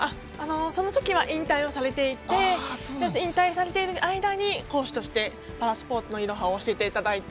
そのときは引退をされていて引退されている間に講師としてパラスポーツのいろはを教えていただいて。